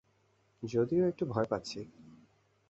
যদিও একটু ভয় পাচ্ছি।